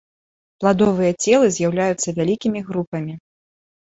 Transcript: Пладовыя целы з'яўляюцца вялікімі групамі.